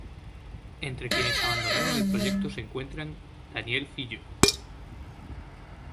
Entre quienes abandonaron el proyecto se encuentran: Daniel Filho.